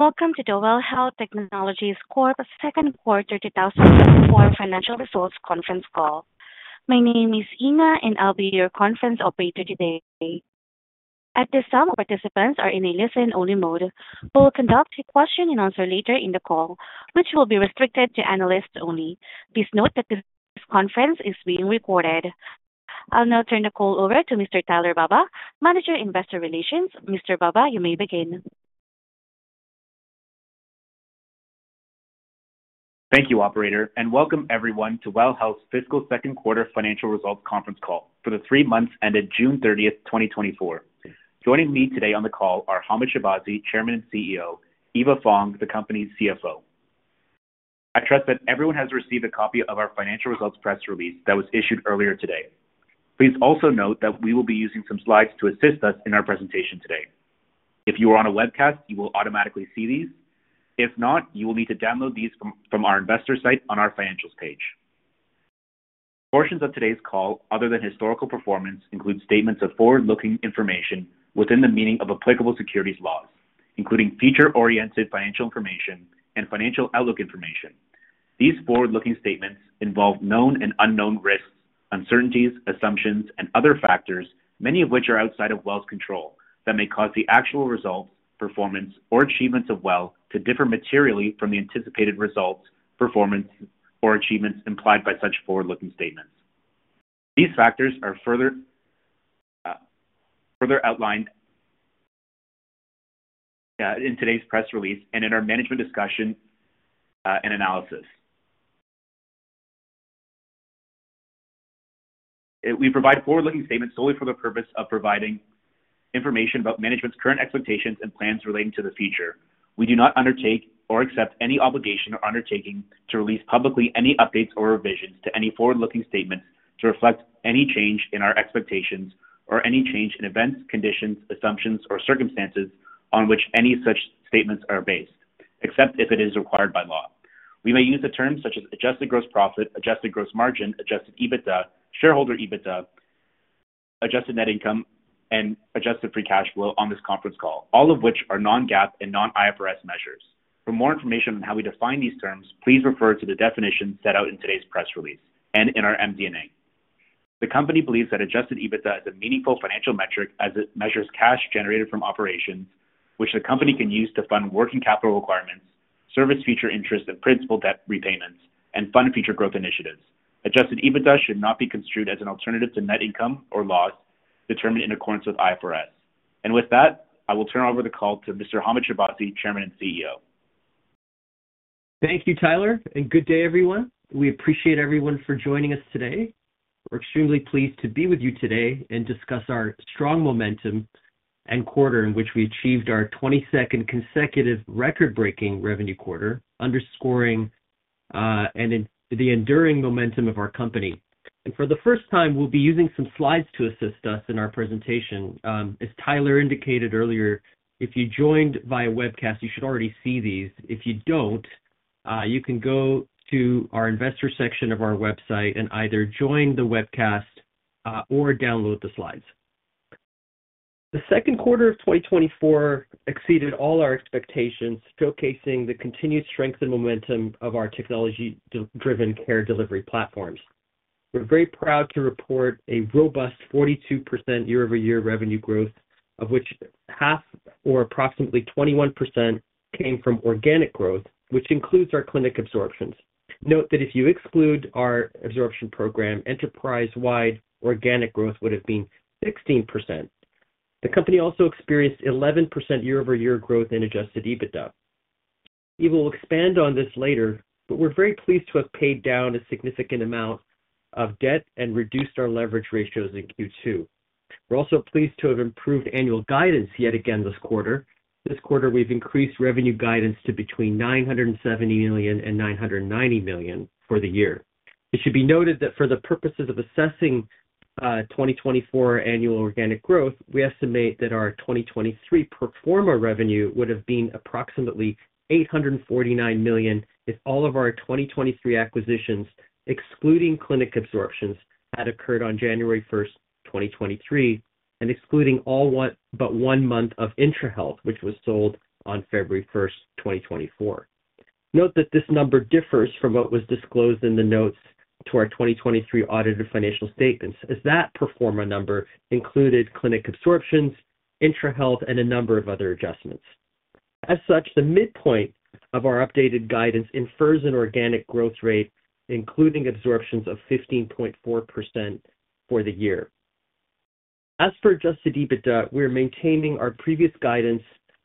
Welcome to the WELL Health Technologies Corp's second quarter 2024 financial results conference call. My name is Ina, and I'll be your conference operator today. At this time, participants are in a listen-only mode. We will conduct a question-and-answer later in the call, which will be restricted to analysts only. Please note that this conference is being recorded. I'll now turn the call over to Mr. Tyler Baba, Manager of Investor Relations. Mr. Baba, you may begin. Thank you, operator, and welcome everyone to WELL Health's fiscal second quarter financial results conference call for the three months ended June 30th, 2024. Joining me today on the call are Hamed Shahbazi, Chairman and CEO, Eva Fong, the company's CFO. I trust that everyone has received a copy of our financial results press release that was issued earlier today. Please also note that we will be using some slides to assist us in our presentation today. If you are on a webcast, you will automatically see these. If not, you will need to download these from our investor site on our financials page. Portions of today's call, other than historical performance, include statements of forward-looking information within the meaning of applicable securities laws, including future-oriented financial information and financial outlook information. These forward-looking statements involve known and unknown risks, uncertainties, assumptions, and other factors, many of which are outside of WELL's control, that may cause the actual results, performance, or achievements of WELL to differ materially from the anticipated results, performance, or achievements implied by such forward-looking statements. These factors are further outlined in today's press release and in our management discussion and analysis. We provide forward-looking statements solely for the purpose of providing information about management's current expectations and plans relating to the future. We do not undertake or accept any obligation or undertaking to release publicly any updates or revisions to any forward-looking statements to reflect any change in our expectations or any change in events, conditions, assumptions, or circumstances on which any such statements are based, except if it is required by law. We may use the terms such as adjusted gross profit, adjusted gross margin, adjusted EBITDA, shareholder EBITDA, adjusted net income, and adjusted free cash flow on this conference call, all of which are non-GAAP and non-IFRS measures. For more information on how we define these terms, please refer to the definition set out in today's press release and in our MD&A. The company believes that adjusted EBITDA is a meaningful financial metric as it measures cash generated from operations, which the company can use to fund working capital requirements, service future interest and principal debt repayments, and fund future growth initiatives. Adjusted EBITDA should not be construed as an alternative to net income or loss determined in accordance with IFRS. With that, I will turn over the call to Mr. Hamed Shahbazi, Chairman and CEO. Thank you, Tyler, and good day, everyone. We appreciate everyone for joining us today. We're extremely pleased to be with you today and discuss our strong momentum and quarter in which we achieved our 22nd consecutive record-breaking revenue quarter, underscoring and the enduring momentum of our company. For the first time, we'll be using some slides to assist us in our presentation. As Tyler indicated earlier, if you joined via webcast, you should already see these. If you don't, you can go to our investor section of our website and either join the webcast or download the slides. The second quarter of 2024 exceeded all our expectations, showcasing the continued strength and momentum of our technology-driven care delivery platforms. We're very proud to report a robust 42% year-over-year revenue growth, of which half or approximately 21% came from organic growth, which includes our clinic absorptions. Note that if you exclude our absorption program, enterprise-wide organic growth would have been 16%. The company also experienced 11% year-over-year growth in adjusted EBITDA. Eva will expand on this later, but we're very pleased to have paid down a significant amount of debt and reduced our leverage ratios in Q2. We're also pleased to have improved annual guidance yet again this quarter. This quarter, we've increased revenue guidance to between 970 million and 990 million for the year. It should be noted that for the purposes of assessing, 2024 annual organic growth, we estimate that our 2023 pro forma revenue would have been approximately 849 million if all of our 2023 acquisitions, excluding clinic absorptions, had occurred on January 1st, 2023, and excluding all but one month of Intrahealth, which was sold on February 1st, 2024. Note that this number differs from what was disclosed in the notes to our 2023 audited financial statements, as that pro forma number included clinic absorptions, Intrahealth, and a number of other adjustments. As such, the midpoint of our updated guidance infers an organic growth rate, including absorptions of 15.4% for the year. As for adjusted EBITDA, we're maintaining our previous guidance,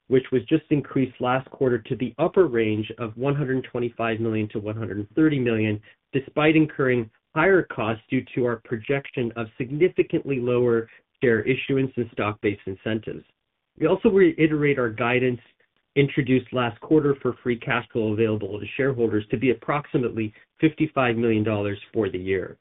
which was just increased last quarter to the upper range of 125 million-130 million, despite incurring higher costs due to our projection of significantly lower share issuance and stock-based incentives. We also reiterate our guidance introduced last quarter for free cash flow available to shareholders to be approximately 55 million dollars for the year.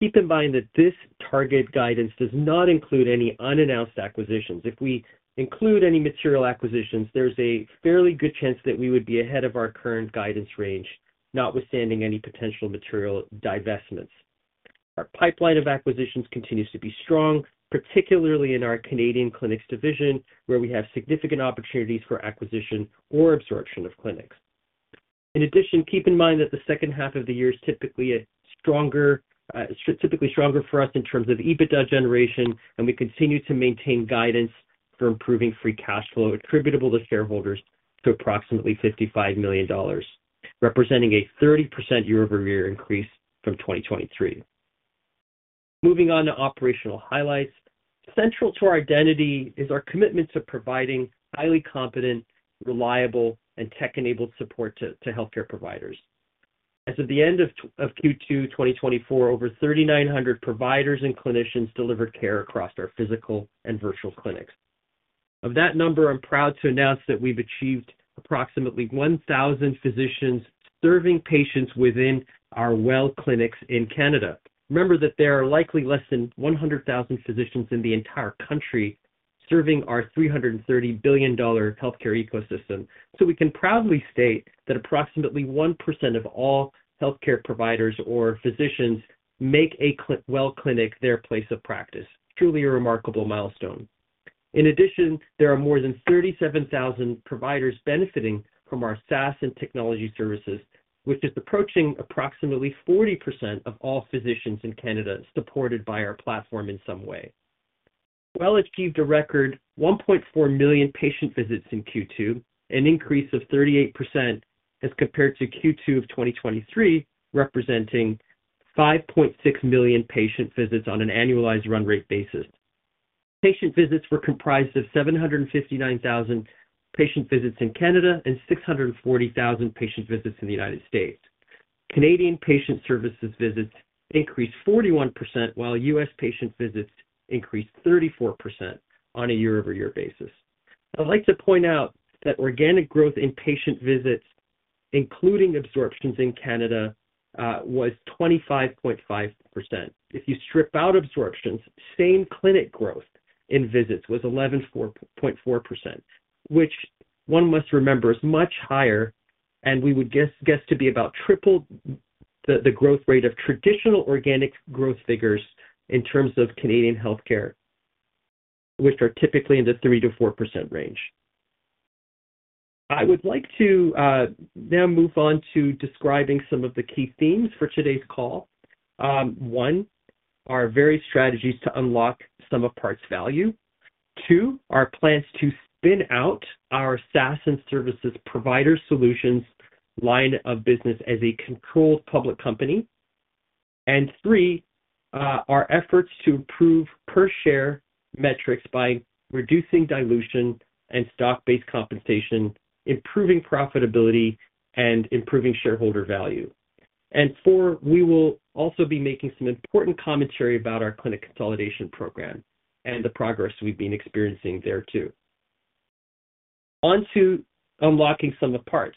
Keep in mind that this target guidance does not include any unannounced acquisitions. If we include any material acquisitions, there's a fairly good chance that we would be ahead of our current guidance range, notwithstanding any potential material divestments. Our pipeline of acquisitions continues to be strong, particularly in our Canadian Clinics division, where we have significant opportunities for acquisition or absorption of clinics. In addition, keep in mind that the second half of the year is typically a stronger, typically stronger for us in terms of EBITDA generation, and we continue to maintain guidance for improving free cash flow attributable to shareholders to approximately 55 million dollars, representing a 30% year-over-year increase from 2023. Moving on to operational highlights. Central to our identity is our commitment to providing highly competent, reliable, and tech-enabled support to healthcare providers. As of the end of Q2 2024, over 3,900 providers and clinicians delivered care across our physical and virtual clinics. Of that number, I'm proud to announce that we've achieved approximately 1,000 physicians serving patients within our WELL Clinics in Canada. Remember that there are likely less than 100,000 physicians in the entire country serving our 330 billion dollar healthcare ecosystem. So we can proudly state that approximately 1% of all healthcare providers or physicians make WELL Clinic their place of practice. Truly a remarkable milestone. In addition, there are more than 37,000 providers benefiting from our SaaS & Technology Services, which is approaching approximately 40% of all physicians in Canada, supported by our platform in some way. WELL achieved a record 1.4 million patient visits in Q2, an increase of 38% as compared to Q2 of 2023, representing 5.6 million patient visits on an annualized run rate basis. Patient visits were comprised of 759,000 patient visits in Canada and 640,000 patient visits in the United States. Canadian Patient Services visits increased 41%, while U.S. patient visits increased 34% on a year-over-year basis. I'd like to point out that organic growth in patient visits, including absorptions in Canada, was 25.5%. If you strip out absorptions, same clinic growth in visits was 11.4%, which one must remember, is much higher, and we would guess to be about triple the growth rate of traditional organic growth figures in terms of Canadian healthcare, which are typically in the 3%-4% range. I would like to now move on to describing some of the key themes for today's call. One, our various strategies to unlock sum-of-parts value. Two, our plans to spin out our SaaS and Services Provider Solutions line of business as a controlled public company. And three, our efforts to improve per share metrics by reducing dilution and stock-based compensation, improving profitability, and improving shareholder value. And four, we will also be making some important commentary about our clinic consolidation program and the progress we've been experiencing there, too. On to unlocking sum-of-parts.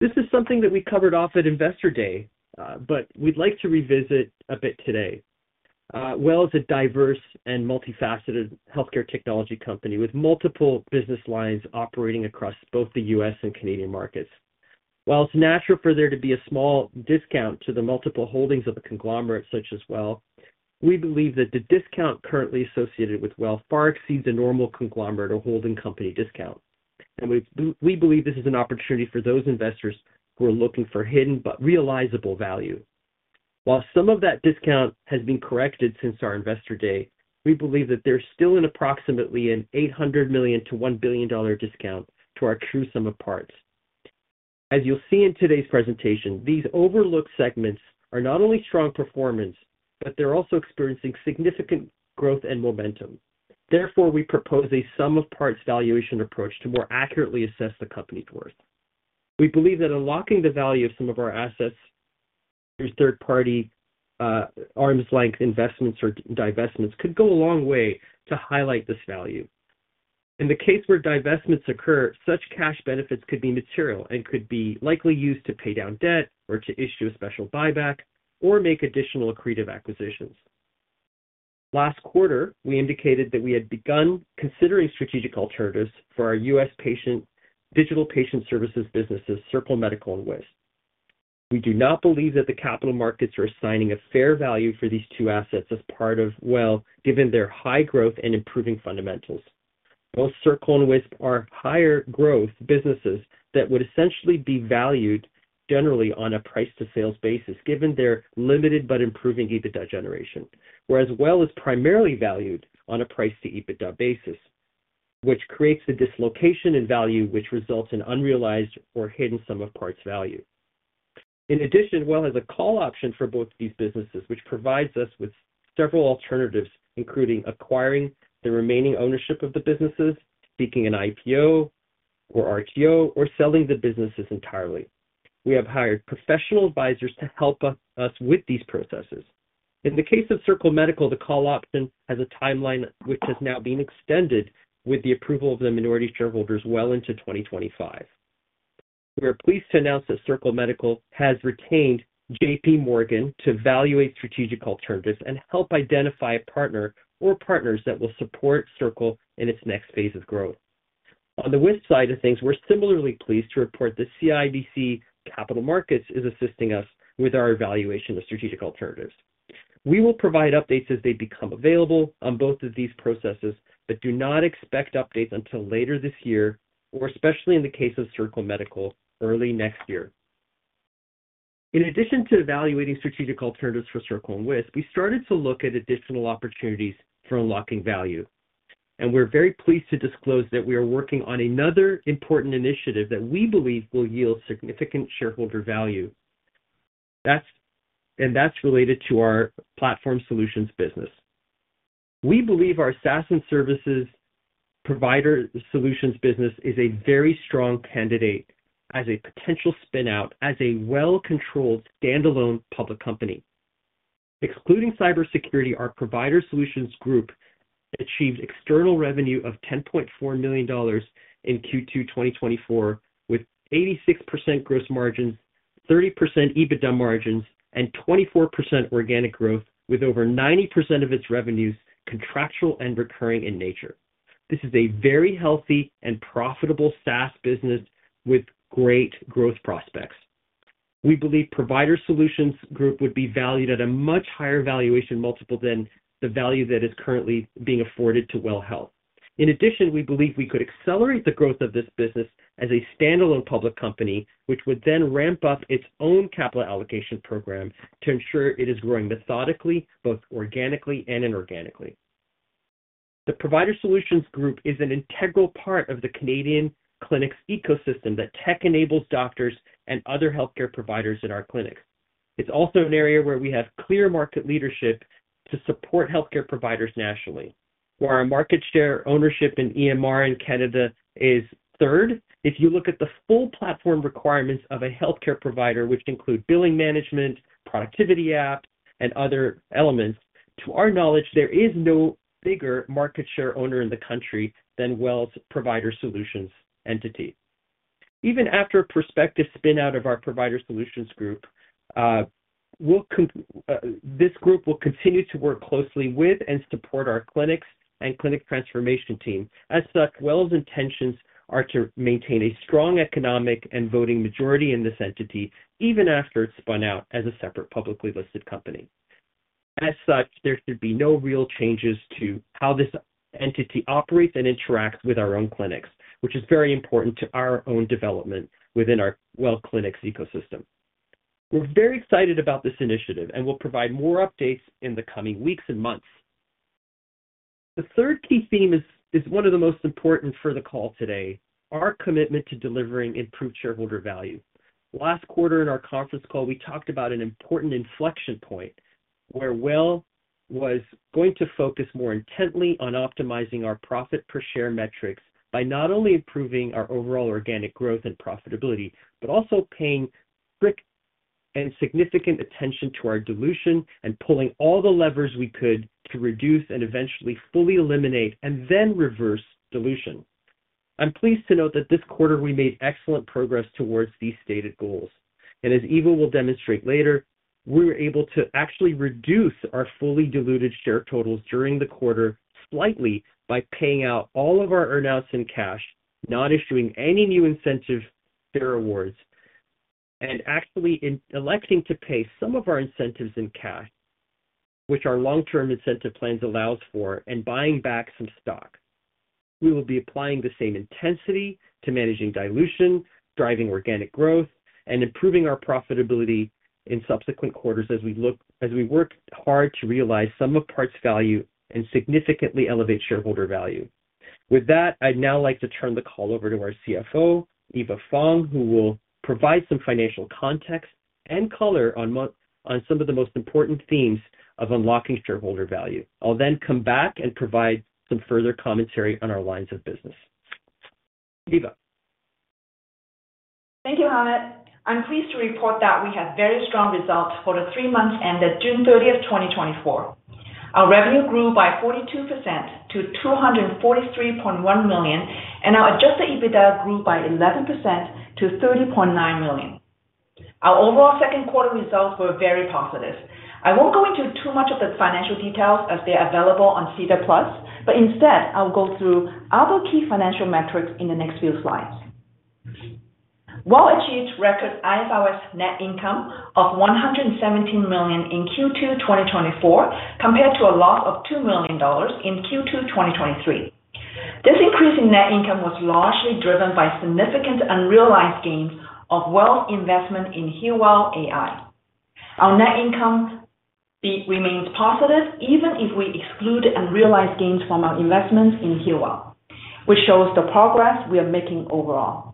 This is something that we covered off at Investor Day, but we'd like to revisit a bit today. WELL is a diverse and multifaceted healthcare technology company with multiple business lines operating across both the U.S. and Canadian markets. While it's natural for there to be a small discount to the multiple holdings of a conglomerate such as WELL, we believe that the discount currently associated with WELL far exceeds the normal conglomerate or holding company discount. And we, we believe this is an opportunity for those investors who are looking for hidden but realizable value. While some of that discount has been corrected since our Investor Day, we believe that there's still an approximately 800 million to 1 billion dollar discount to our true sum-of-parts. As you'll see in today's presentation, these overlooked segments are not only strong performance, but they're also experiencing significant growth and momentum. Therefore, we propose a sum of parts valuation approach to more accurately assess the company's worth. We believe that unlocking the value of some of our assets through third-party, arm's length investments or divests could go a long way to highlight this value. In the case where divestments occur, such cash benefits could be material and could be likely used to pay down debt, or to issue a special buyback, or make additional accretive acquisitions. Last quarter, we indicated that we had begun considering strategic alternatives for our U.S. Digital Patient Services businesses, Circle Medical and Wisp. We do not believe that the capital markets are assigning a fair value for these two assets as part of WELL, given their high growth and improving fundamentals. Both Circle Medical and Wisp are higher growth businesses that would essentially be valued generally on a price to sales basis, given their limited but improving EBITDA generation. Whereas WELL is primarily valued on a price to EBITDA basis, which creates a dislocation in value, which results in unrealized or hidden sum-of-parts value. In addition, WELL has a call option for both of these businesses, which provides us with several alternatives, including acquiring the remaining ownership of the businesses, seeking an IPO or RTO, or selling the businesses entirely. We have hired professional advisors to help us with these processes. In the case of Circle Medical, the call option has a timeline which has now been extended with the approval of the minority shareholders well into 2025. We are pleased to announce that Circle Medical has retained JPMorgan to evaluate strategic alternatives and help identify a partner or partners that will support Circle Medical in its next phase of growth. On the Wisp side of things, we're similarly pleased to report that CIBC Capital Markets is assisting us with our evaluation of strategic alternatives. We will provide updates as they become available on both of these processes, but do not expect updates until later this year, or especially in the case of Circle Medical, early next year. In addition to evaluating strategic alternatives for Circle Medical and Wisp, we started to look at additional opportunities for unlocking value, and we're very pleased to disclose that we are working on another important initiative that we believe will yield significant shareholder value. That's related to our platform solutions business. We believe our SaaS and Services Provider Solutions business is a very strong candidate as a potential spin-out, as a well-controlled standalone public company. Excluding cybersecurity, our Provider Solutions Group achieved external revenue of 10.4 million dollars in Q2 2024, with 86% gross margins, 30% EBITDA margins, and 24% organic growth, with over 90% of its revenues contractual and recurring in nature. This is a very healthy and profitable SaaS business with great growth prospects. We believe Provider Solutions Group would be valued at a much higher valuation multiple than the value that is currently being afforded to WELL Health. In addition, we believe we could accelerate the growth of this business as a standalone public company, which would then ramp up its own capital allocation program to ensure it is growing methodically, both organically and inorganically. The Provider Solutions Group is an integral part of the Canadian clinics ecosystem that tech-enables doctors and other healthcare providers in our clinics. It's also an area where we have clear market leadership to support healthcare providers nationally, where our market share ownership in EMR in Canada is third. If you look at the full platform requirements of a healthcare provider, which include billing, management, productivity apps, and other elements, to our knowledge, there is no bigger market share owner in the country than WELL's Provider Solutions entity. Even after a prospective spin-out of our Provider Solutions Group, we'll, this group will continue to work closely with and support our clinics and clinic transformation team. As such, WELL's intentions are to maintain a strong economic and voting majority in this entity, even after it's spun out as a separate, publicly listed company. As such, there should be no real changes to how this entity operates and interacts with our own clinics, which is very important to our own development within our WELL Clinics ecosystem. We're very excited about this initiative, and we'll provide more updates in the coming weeks and months. The third key theme is one of the most important for the call today, our commitment to delivering improved shareholder value. Last quarter, in our conference call, we talked about an important inflection point where WELL was going to focus more intently on optimizing our profit per share metrics by not only improving our overall organic growth and profitability, but also paying strict and significant attention to our dilution and pulling all the levers we could to reduce and eventually fully eliminate and then reverse dilution. I'm pleased to note that this quarter we made excellent progress towards these stated goals. As Eva will demonstrate later, we were able to actually reduce our fully diluted share totals during the quarter slightly by paying out all of our earnouts in cash, not issuing any new incentive share awards, and actually in electing to pay some of our incentives in cash, which our long-term incentive plans allows for, and buying back some stock. We will be applying the same intensity to managing dilution, driving organic growth, and improving our profitability in subsequent quarters as we work hard to realize sum of parts value and significantly elevate shareholder value. With that, I'd now like to turn the call over to our CFO, Eva Fong, who will provide some financial context and color on some of the most important themes of unlocking shareholder value. I'll then come back and provide some further commentary on our lines of business. Eva? Thank you, Hamed. I'm pleased to report that we had very strong results for the three months ended June 30th, 2024. Our revenue grew by 42% to 243.1 million, and our adjusted EBITDA grew by 11% to 30.9 million. Our overall second quarter results were very positive. I won't go into too much of the financial details, as they are available on SEDAR+, but instead I'll go through other key financial metrics in the next few slides. WELL achieved record IFRS net income of 117 million in Q2 2024, compared to a loss of $2 million in Q2 2023. This increase in net income was largely driven by significant unrealized gains of WELL investment in HEALWELL AI. Our net income remains positive even if we exclude unrealized gains from our investments in HEALWELL, which shows the progress we are making overall.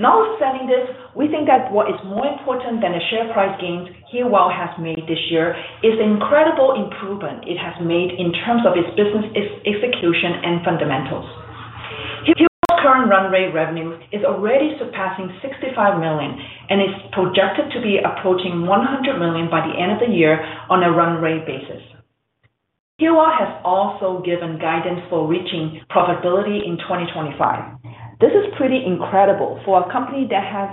Now, saying this, we think that what is more important than the share price gains HEALWELL has made this year is the incredible improvement it has made in terms of its business execution and fundamentals. HEALWELL's current run rate revenue is already surpassing 65 million and is projected to be approaching 100 million by the end of the year on a run rate basis. HEALWELL has also given guidance for reaching profitability in 2025. This is pretty incredible for a company that has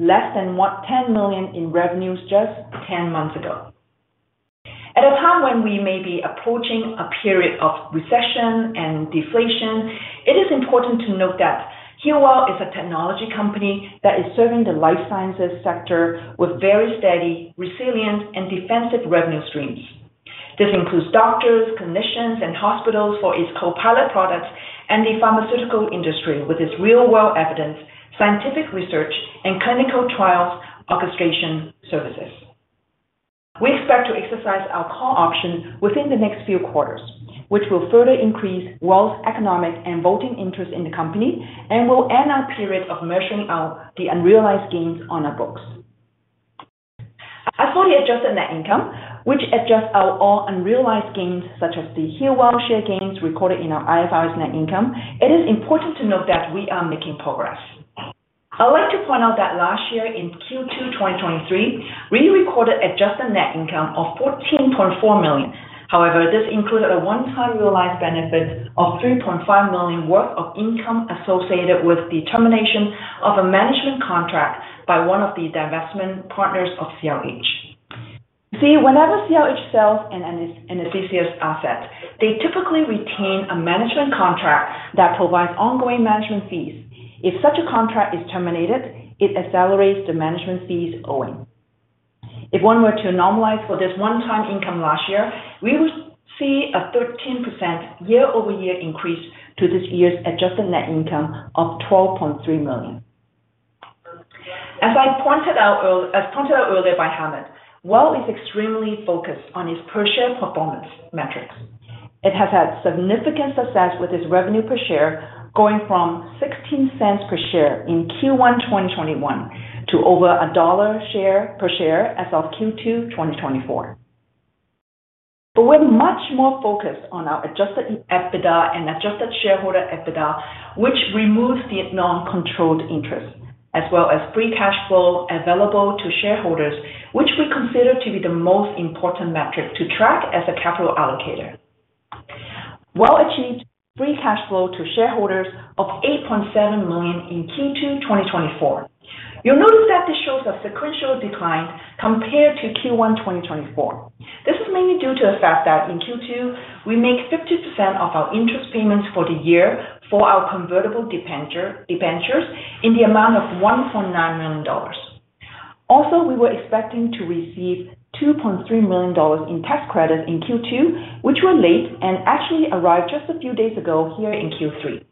less than 10 million in revenues just 10 months ago. At a time when we may be approaching a period of recession and deflation, it is important to note that HEALWELL is a technology company that is serving the life sciences sector with very steady, resilient, and defensive revenue streams. This includes doctors, clinicians, and hospitals for its copilot products, and the pharmaceutical industry, with its real-world evidence, scientific research, and clinical trials orchestration services. We expect to exercise our call option within the next few quarters, which will further increase WELL's economic and voting interest in the company, and will end our period of measuring out the unrealized gains on our books. Our fully adjusted net income, which adjusts for all unrealized gains, such as the HEALWELL share gains recorded in our IFRS net income. It is important to note that we are making progress. I'd like to point out that last year in Q2 2023, we recorded adjusted net income of 14.4 million. However, this included a one-time realized benefit of 3.5 million worth of income associated with the termination of a management contract by one of the divestment partners of CRH. See, whenever CRH sells an associate asset, they typically retain a management contract that provides ongoing management fees. If such a contract is terminated, it accelerates the management fees owing. If one were to normalize for this one-time income last year, we would see a 13% year-over-year increase to this year's adjusted net income of 12.3 million. As pointed out earlier by Hamed, WELL is extremely focused on its per share performance metrics. It has had significant success with its revenue per share, going from 0.16 per share in Q1 2021 to over CAD 1 per share as of Q2 2024. But we're much more focused on our adjusted EBITDA and adjusted shareholder EBITDA, which removes the non-controlled interest, as well as free cash flow available to shareholders, which we consider to be the most important metric to track as a capital allocator. WELL achieved free cash flow to shareholders of 8.7 million in Q2 2024. You'll notice that this shows a sequential decline compared to Q1 2024. This is mainly due to the fact that in Q2, we make 50% of our interest payments for the year for our convertible debentures in the amount of 1.9 million dollars. Also, we were expecting to receive 2.3 million dollars in tax credit in Q2, which were late and actually arrived just a few days ago here in Q3.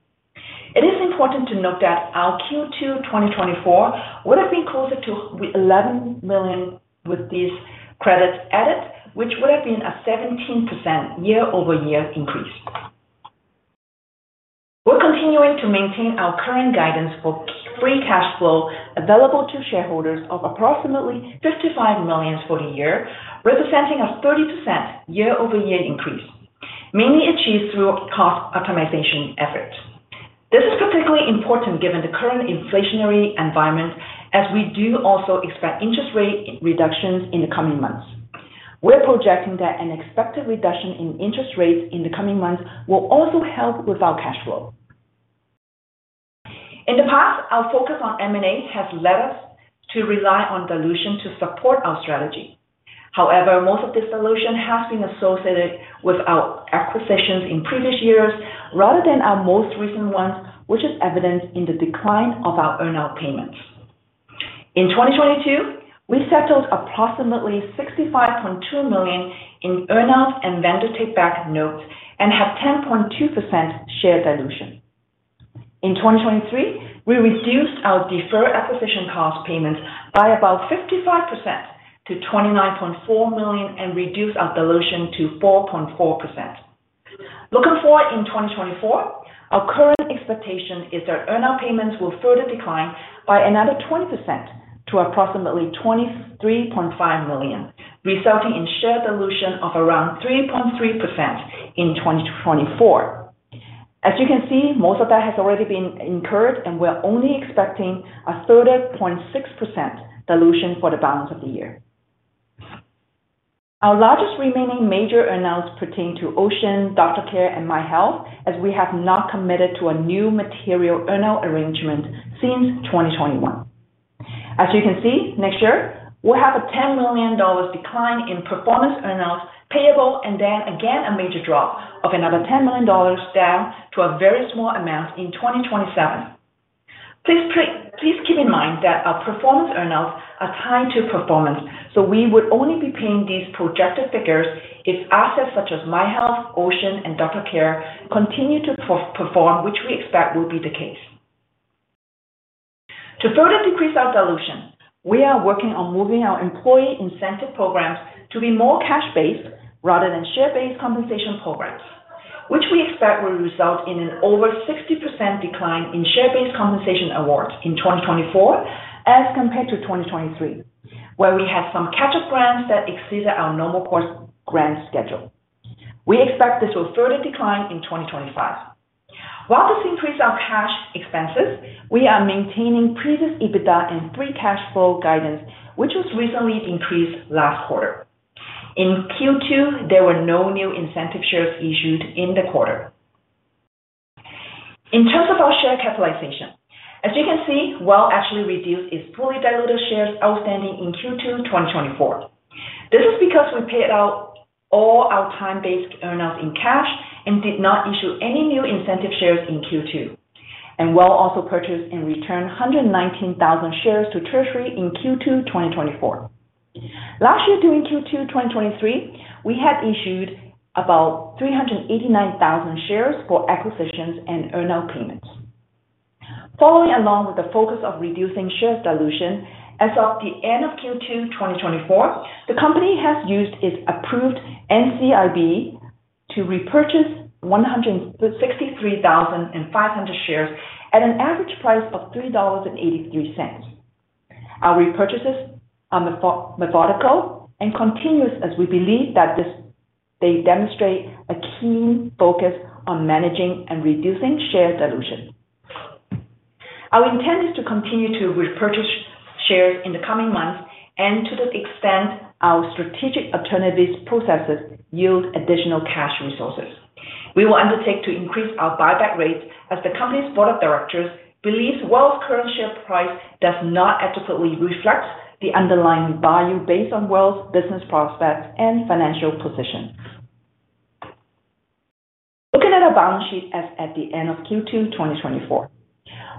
It is important to note that our Q2 2024 would have been closer to 11 million with these credits added, which would have been a 17% year-over-year increase. We're continuing to maintain our current guidance for free cash flow available to shareholders of approximately 55 million for the year, representing a 30% year-over-year increase, mainly achieved through cost optimization efforts. This is particularly important given the current inflationary environment, as we do also expect interest rate reductions in the coming months. We're projecting that an expected reduction in interest rates in the coming months will also help with our cash flow. In the past, our focus on M&A has led us to rely on dilution to support our strategy. However, most of this dilution has been associated with our acquisitions in previous years rather than our most recent ones, which is evident in the decline of our earn-out payments. In 2022, we settled approximately 65.2 million in earn-out and vendor takeback notes and had 10.2% share dilution. In 2023, we reduced our deferred acquisition cost payments by about 55% to 29.4 million and reduced our dilution to 4.4%. Looking forward in 2024, our current expectation is that earn-out payments will further decline by another 20% to approximately 23.5 million, resulting in share dilution of around 3.3% in 2024. As you can see, most of that has already been incurred, and we are only expecting a further 0.6% dilution for the balance of the year. Our largest remaining major earn-outs pertain to Ocean, DoctorCare, and MyHealth, as we have not committed to a new material earn-out arrangement since 2021. As you can see, next year, we'll have a 10 million dollars decline in performance earn-outs payable, and then again, a major drop of another 10 million dollars, down to a very small amount in 2027. Please keep in mind that our performance earn-outs are tied to performance, so we would only be paying these projected figures if assets such as MyHealth, Ocean, and DoctorCare continue to perform, which we expect will be the case. To further decrease our dilution, we are working on moving our employee incentive programs to be more cash-based rather than share-based compensation programs, which we expect will result in an over 60% decline in share-based compensation awards in 2024 as compared to 2023, where we had some catch-up grants that exceeded our normal course grant schedule. We expect this will further decline in 2025. While this increases our cash expenses, we are maintaining previous EBITDA and free cash flow guidance, which was recently increased last quarter. In Q2, there were no new incentive shares issued in the quarter. In terms of our share capitalization, as you can see, WELL actually reduced its fully diluted shares outstanding in Q2 2024. This is because we paid out all our time-based earn-outs in cash and did not issue any new incentive shares in Q2. WELL also purchased and returned 119,000 shares to treasury in Q2 2024. Last year, during Q2 2023, we had issued about 389,000 shares for acquisitions and earn-out payments. Following along with the focus of reducing share dilution, as of the end of Q2 2024, the company has used its Approved NCIB to repurchase 163,500 shares at an average price of 3.83 dollars. Our repurchases are methodical and continuous as we believe that they demonstrate a keen focus on managing and reducing share dilution. Our intent is to continue to repurchase shares in the coming months and to the extent our strategic alternatives processes yield additional cash resources. We will undertake to increase our buyback rates as the company's board of directors believes WELL's current share price does not adequately reflect the underlying value based on WELL's business prospects and financial position. Looking at our balance sheet as at the end of Q2 2024,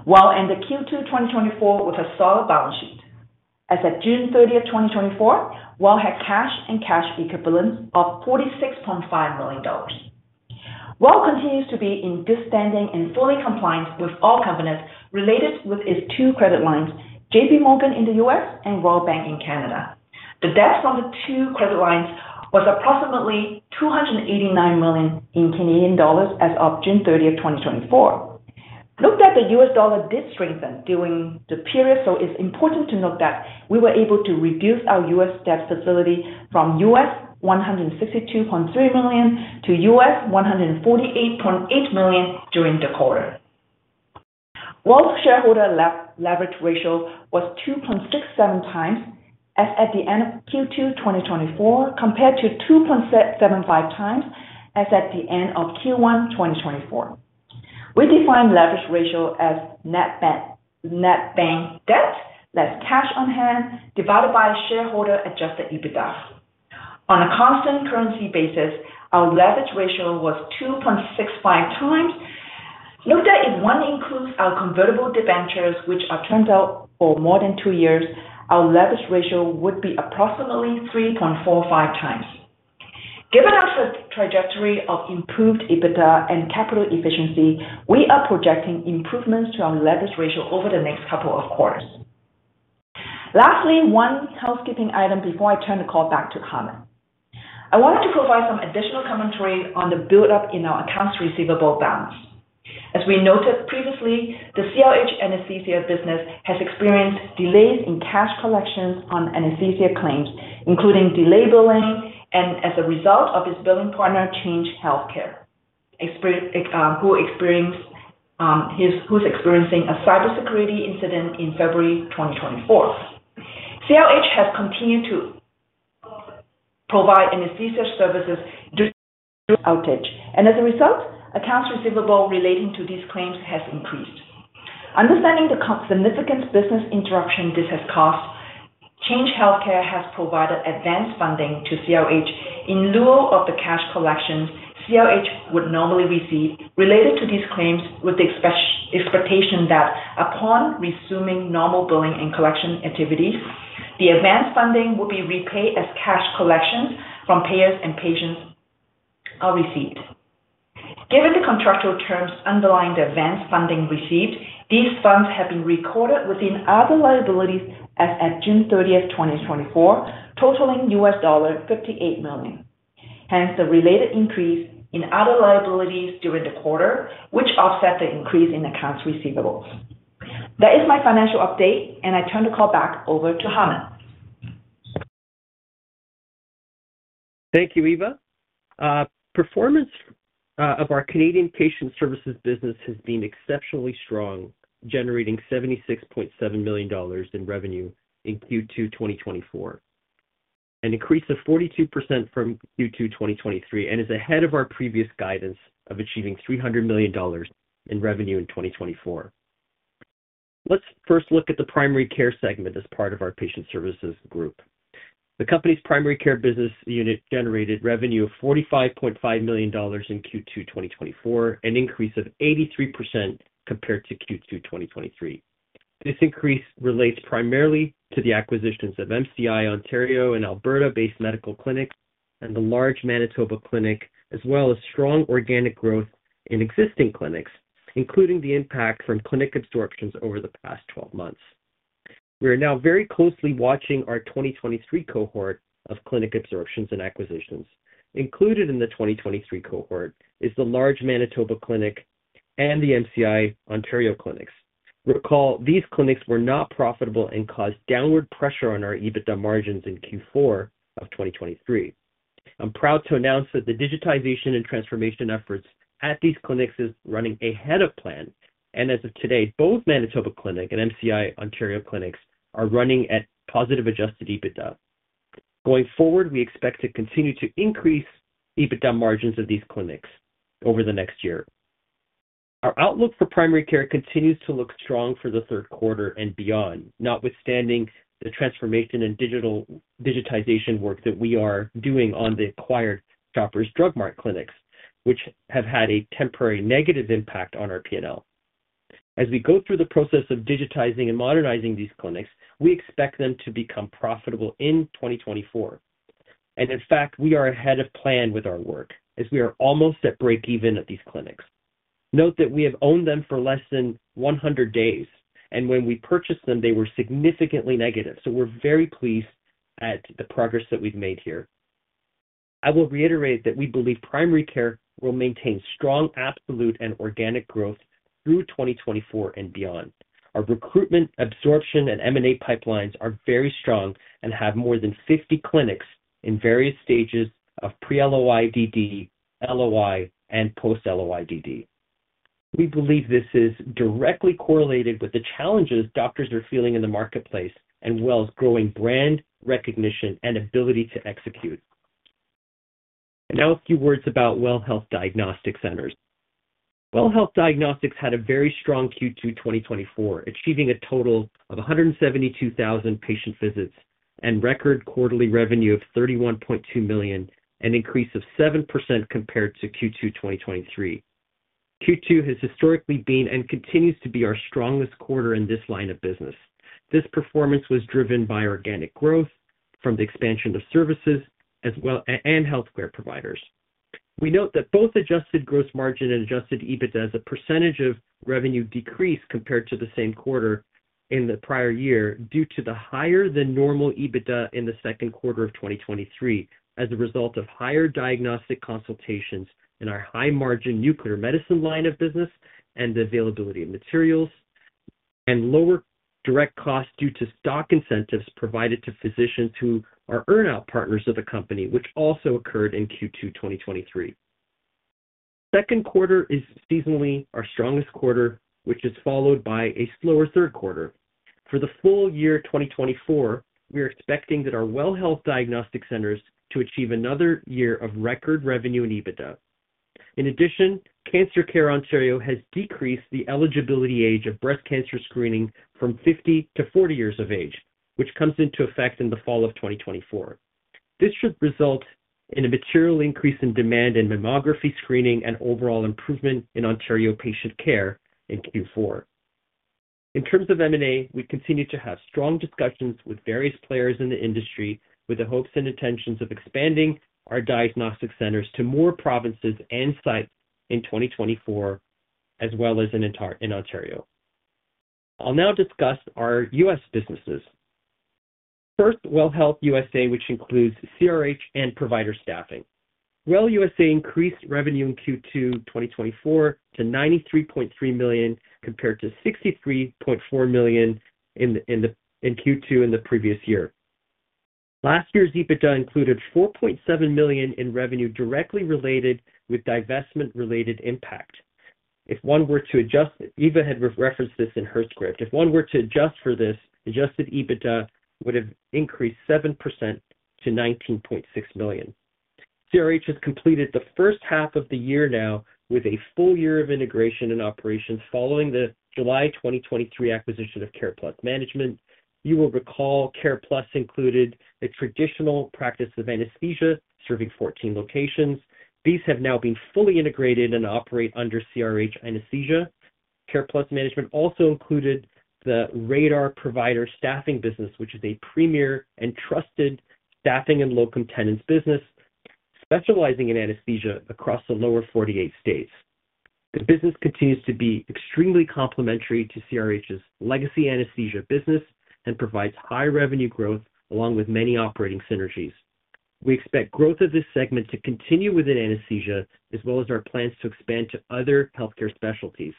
WELL ended Q2 2024 with a solid balance sheet. As at June 30th, 2024, WELL had cash and cash equivalents of 46.5 million dollars. WELL continues to be in good standing and fully compliant with all covenants related with its two credit lines, JPMorgan in the U.S. and Royal Bank of Canada. The debts from the two credit lines was approximately 289 million as of June 30th, 2024. Note that the US dollar did strengthen during the period, so it's important to note that we were able to reduce our US debt facility from $162.3 million to $148.8 million during the quarter. WELL's shareholder leverage ratio was 2.67x as at the end of Q2 2024, compared to 2.75x as at the end of Q1 2024. We define leverage ratio as net bank debt less cash on hand, divided by shareholder adjusted EBITDA. On a constant currency basis, our leverage ratio was 2.65x. Note that if one includes our convertible debentures, which are outstanding for more than two years, our leverage ratio would be approximately 3.45x. Given our trajectory of improved EBITDA and capital efficiency, we are projecting improvements to our leverage ratio over the next couple of quarters. Lastly, one housekeeping item before I turn the call back to Hamed. I wanted to provide some additional commentary on the buildup in our accounts receivable balance. As we noted previously, the CRH Anesthesia business has experienced delays in cash collections on anesthesia claims, including delayed billing, and as a result of its billing partner, Change Healthcare, who experienced, who's experiencing a cybersecurity incident in February 2024. CRH has continued to provide anesthesia services during the outage, and as a result, accounts receivable relating to these claims has increased. Understanding the significant business interruption this has caused, Change Healthcare has provided advance funding to CRH in lieu of the cash collections CRH would normally receive related to these claims, with the expectation that upon resuming normal billing and collection activities, the advance funding will be repaid as cash collections from payers and patients are received. Given the contractual terms underlying the advance funding received, these funds have been recorded within other liabilities as at June 30th, 2024, totaling $58 million. Hence, the related increase in other liabilities during the quarter, which offset the increase in accounts receivables. That is my financial update, and I turn the call back over to Hamed. Thank you, Eva. Performance of our Canadian Patient Services business has been exceptionally strong, generating 76.7 million dollars in revenue in Q2 2024, an increase of 42% from Q2 2023, and is ahead of our previous guidance of achieving 300 million dollars in revenue in 2024. Let's first look at the primary care segment as part of our Patient Services Group. The company's primary care business unit generated revenue of 45.5 million dollars in Q2 2024, an increase of 83% compared to Q2 2023. This increase relates primarily to the acquisitions of MCI Ontario and Alberta-based medical clinics, and the large Manitoba Clinic, as well as strong organic growth in existing clinics, including the impact from clinic absorptions over the past 12 months. We are now very closely watching our 2023 cohort of clinic absorptions and acquisitions. Included in the 2023 cohort is the large Manitoba Clinic and the MCI Ontario clinics. Recall, these clinics were not profitable and caused downward pressure on our EBITDA margins in Q4 of 2023. I'm proud to announce that the digitization and transformation efforts at these clinics is running ahead of plan, and as of today, both Manitoba Clinic and MCI Ontario clinics are running at positive adjusted EBITDA. Going forward, we expect to continue to increase EBITDA margins of these clinics over the next year. Our outlook for primary care continues to look strong for the third quarter and beyond, notwithstanding the transformation and digitization work that we are doing on the acquired Shoppers Drug Mart clinics, which have had a temporary negative impact on our PNL. As we go through the process of digitizing and modernizing these clinics, we expect them to become profitable in 2024. In fact, we are ahead of plan with our work as we are almost at breakeven at these clinics. Note that we have owned them for less than 100 days, and when we purchased them, they were significantly negative. So we're very pleased at the progress that we've made here. I will reiterate that we believe primary care will maintain strong, absolute and organic growth through 2024 and beyond. Our recruitment, absorption and M&A pipelines are very strong and have more than 50 clinics in various stages of pre-LOI DD, LOI, and post-LOI DD. We believe this is directly correlated with the challenges doctors are feeling in the marketplace, and WELL's growing brand recognition and ability to execute. And now a few words about WELL Health Diagnostic Centers. WELL Health Diagnostics had a very strong Q2 2024, achieving a total of 172,000 patient visits and record quarterly revenue of CAD 31.2 million, an increase of 7% compared to Q2 2023. Q2 has historically been and continues to be our strongest quarter in this line of business. This performance was driven by organic growth from the expansion of services as well, and healthcare providers. We note that both adjusted gross margin and adjusted EBITDA as a percentage of revenue decreased compared to the same quarter in the prior year, due to the higher than normal EBITDA in the second quarter of 2023 as a result of higher diagnostic consultations in our high margin nuclear medicine line of business and the availability of materials, and lower direct costs due to stock incentives provided to physicians who are earn-out partners of the company, which also occurred in Q2 2023. Second quarter is seasonally our strongest quarter, which is followed by a slower third quarter. For the full year 2024, we are expecting that our WELL Health Diagnostic Centers to achieve another year of record revenue and EBITDA. In addition, Cancer Care Ontario has decreased the eligibility age of breast cancer screening from 50 to 40 years of age, which comes into effect in the fall of 2024. This should result in a material increase in demand in mammography screening and overall improvement in Ontario patient care in Q4. In terms of M&A, we continue to have strong discussions with various players in the industry with the hopes and intentions of expanding our diagnostic centers to more provinces and sites in 2024, as well as in entire Ontario. I'll now discuss our U.S. businesses. First, WELL Health U.S., which includes CRH and provider staffing. WELL U.S. increased revenue in Q2 2024 to $93.3 million, compared to $63.4 million in Q2 in the previous year. Last year's EBITDA included 4.7 million in revenue, directly related with divestment related impact. If one were to adjust, Eva had referenced this in her script. If one were to adjust for this, adjusted EBITDA would have increased 7% to 19.6 million. CRH has completed the first half of the year now with a full year of integration and operations following the July 2023 acquisition of CarePlus Management. You will recall CarePlus included a traditional practice of anesthesia serving 14 locations. These have now been fully integrated and operate under CRH Anesthesia. CarePlus Management also included the Radar provider staffing business, which is a premier and trusted staffing and locum tenens business specializing in anesthesia across the lower 48 states. The business continues to be extremely complementary to CRH's legacy anesthesia business and provides high revenue growth along with many operating synergies. We expect growth of this segment to continue within anesthesia, as well as our plans to expand to other healthcare specialties.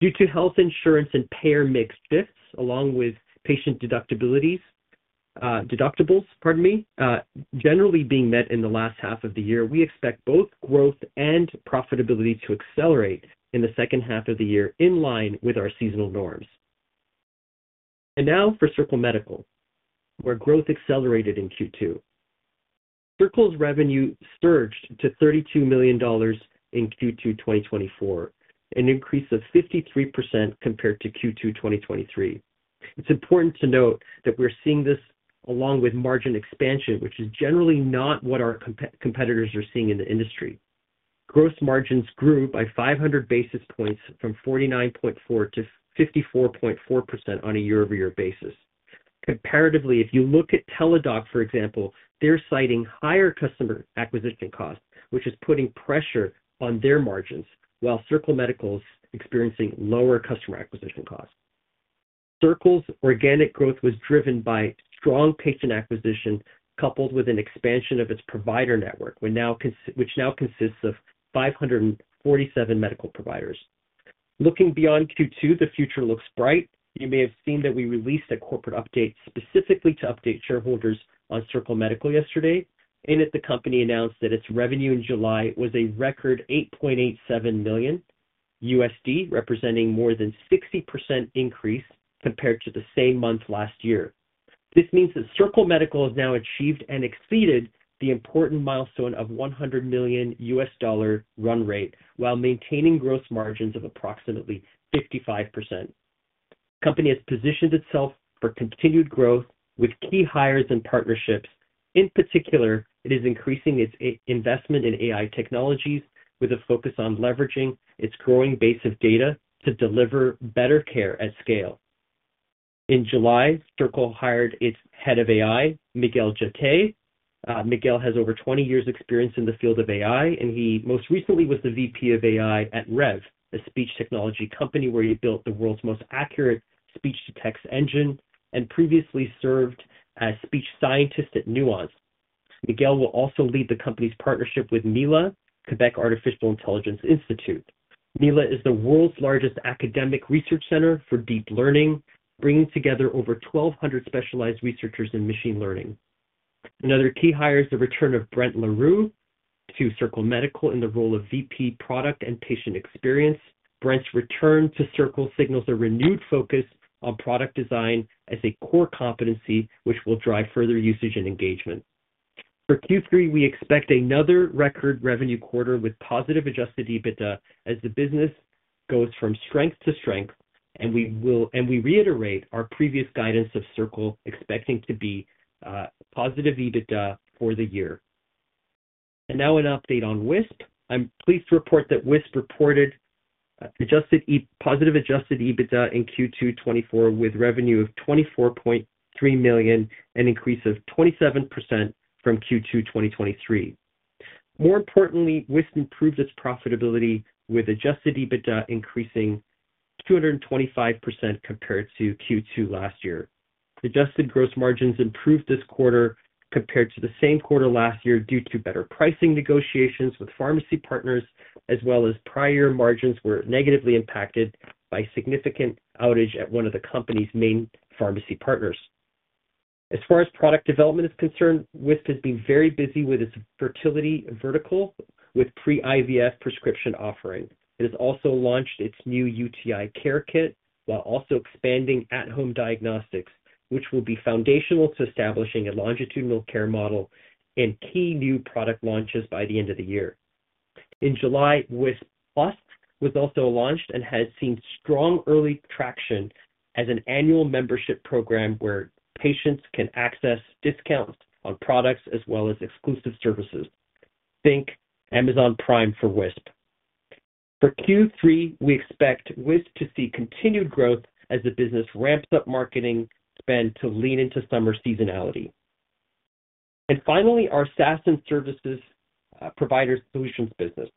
Due to health insurance and payer mix shifts, along with patient deductibilities, deductibles, pardon me, generally being met in the last half of the year, we expect both growth and profitability to accelerate in the second half of the year, in line with our seasonal norms. And now for Circle Medical, where growth accelerated in Q2. Circle's revenue surged to 32 million dollars in Q2 2024, an increase of 53% compared to Q2 2023. It's important to note that we're seeing this along with margin expansion, which is generally not what our competitors are seeing in the industry. Gross margins grew by 500 basis points from 49.4% to 54.4% on a year-over-year basis. Comparatively, if you look at Teladoc, for example, they're citing higher customer acquisition costs, which is putting pressure on their margins, while Circle Medical's experiencing lower customer acquisition costs. Circle's organic growth was driven by strong patient acquisition, coupled with an expansion of its provider network, which now consists of 547 medical providers. Looking beyond Q2, the future looks bright. You may have seen that we released a corporate update specifically to update shareholders on Circle Medical yesterday. In it, the company announced that its revenue in July was a record $8.87 million, representing more than 60% increase compared to the same month last year. This means that Circle Medical has now achieved and exceeded the important milestone of $100 million run rate, while maintaining gross margins of approximately 55%. The company has positioned itself for continued growth with key hires and partnerships. In particular, it is increasing its investment in AI technologies, with a focus on leveraging its growing base of data to deliver better care at scale. In July, Circle hired its head of AI, Miguel Jetté. Miguel has over 20 years experience in the field of AI, and he most recently was the VP of AI at Rev, a speech technology company, where he built the world's most accurate speech-to-text engine and previously served as speech scientist at Nuance. Miguel will also lead the company's partnership with Mila, Quebec Artificial Intelligence Institute. Mila is the world's largest academic research center for deep learning, bringing together over 1,200 specialized researchers in machine learning. Another key hire is the return of Brent LaRue to Circle Medical in the role of VP, Product and Patient Experience. Brent's return to Circle signals a renewed focus on product design as a core competency, which will drive further usage and engagement. For Q3, we expect another record revenue quarter with positive adjusted EBITDA as the business goes from strength to strength, and we reiterate our previous guidance of Circle expecting to be positive EBITDA for the year. And now an update on Wisp. I'm pleased to report that Wisp reported positive adjusted EBITDA in Q2 2024, with revenue of 24.3 million, an increase of 27% from Q2 2023. More importantly, Wisp improved its profitability, with adjusted EBITDA increasing 225% compared to Q2 last year. Adjusted gross margins improved this quarter compared to the same quarter last year due to better pricing negotiations with pharmacy partners, as well as prior margins were negatively impacted by significant outage at one of the company's main pharmacy partners. As far as product development is concerned, Wisp has been very busy with its fertility vertical, with pre-IVF prescription offering. It has also launched its new UTI Care Kit, while also expanding at-home diagnostics, which will be foundational to establishing a longitudinal care model and key new product launches by the end of the year. In July, Wisp+ was also launched and has seen strong early traction as an annual membership program where patients can access discounts on products as well as exclusive services. Think Amazon Prime for Wisp. For Q3, we expect Wisp to see continued growth as the business ramps up marketing spend to lean into summer seasonality. And finally, our SaaS and Services Provider Solutions business.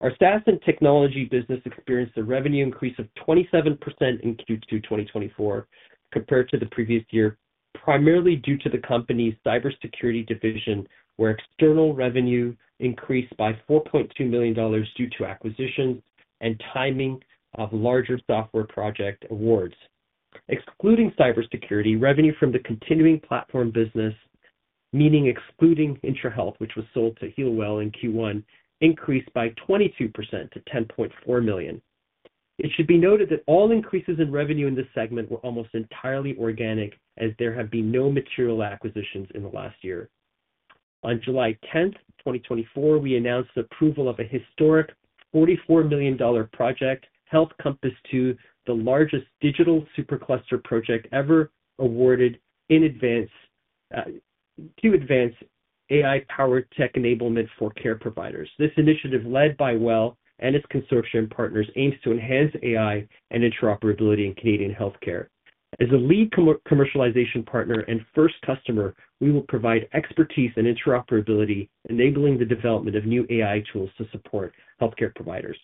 Our SaaS & Technology business experienced a revenue increase of 27% in Q2 2024 compared to the previous year, primarily due to the company's cybersecurity division, where external revenue increased by 4.2 million dollars due to acquisitions and timing of larger software project awards. Excluding cybersecurity, revenue from the continuing platform business, meaning excluding Intrahealth, which was sold to HEALWELL in Q1, increased by 22% to 10.4 million. It should be noted that all increases in revenue in this segment were almost entirely organic, as there have been no material acquisitions in the last year. On July 10th, 2024, we announced the approval of a historic 44 million dollar project, Health Compass II, the largest digital supercluster project ever awarded to advance AI-powered tech enablement for care providers. This initiative, led by WELL and its consortium partners, aims to enhance AI and interoperability in Canadian healthcare. As a lead commercialization partner and first customer, we will provide expertise and interoperability, enabling the development of new AI tools to support healthcare providers.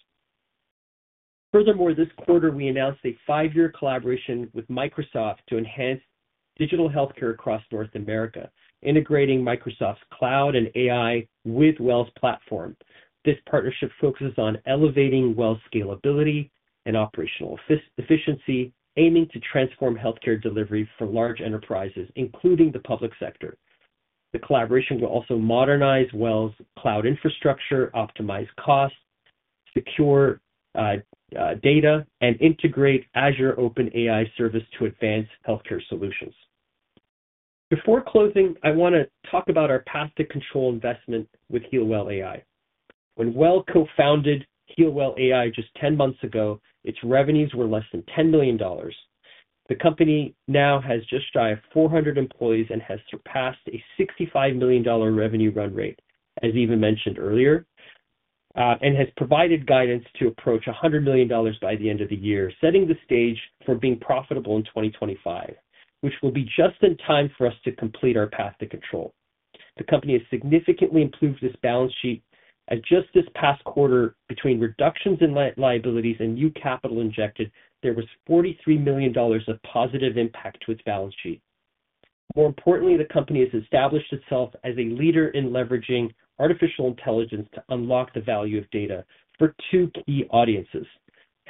Furthermore, this quarter, we announced a five-year collaboration with Microsoft to enhance digital healthcare across North America, integrating Microsoft's cloud and AI with WELL's platform. This partnership focuses on elevating WELL's scalability and operational efficiency, aiming to transform healthcare delivery for large enterprises, including the public sector. The collaboration will also modernize WELL's cloud infrastructure, optimize costs, secure data, and integrate Azure OpenAI Service to advance healthcare solutions. Before closing, I want to talk about our path to control investment with HEALWELL AI. When WELL co-founded HEALWELL AI just 10 months ago, its revenues were less than 10 million dollars. The company now has just shy of 400 employees and has surpassed a 65 million dollar revenue run rate, as Eva mentioned earlier, and has provided guidance to approach 100 million dollars by the end of the year, setting the stage for being profitable in 2025, which will be just in time for us to complete our path to control. The company has significantly improved its balance sheet, as just this past quarter, between reductions in liabilities and new capital injected, there was $43 million of positive impact to its balance sheet. More importantly, the company has established itself as a leader in leveraging artificial intelligence to unlock the value of data for two key audiences: